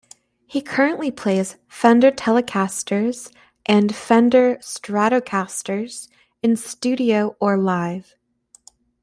He currently plays Fender Telecasters, and Fender Stratocaster in studio or live.